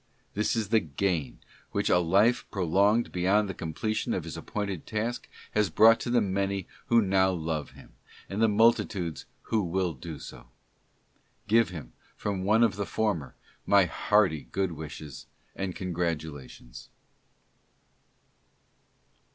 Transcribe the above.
This is the gain which a life prolonged beyond the completion of his appointed task has brought to the many who now love him, and the multitudes who will do so. Give him, from one of the former, my hearty good wishes and congratulations.